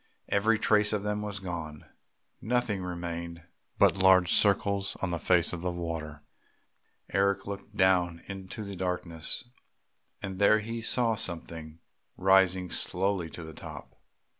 Every trace of them was gone, nothing remained but large circles on the face of the water. Eric looked down into the darkness, and there he saw something rising slowly to the top....